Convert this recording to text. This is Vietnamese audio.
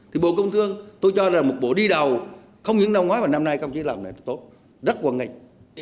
thì bộ công thương tôi cho là một bộ đi đầu không những năm ngoái mà năm nay công chế làm này rất tốt rất quần ngành